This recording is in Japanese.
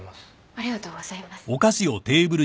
ありがとうございます。